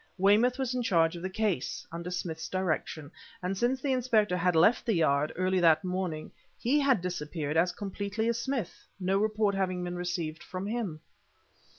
Weymouth was in charge of the case under Smith's direction and since the inspector had left the Yard, early that morning, he had disappeared as completely as Smith, no report having been received from him.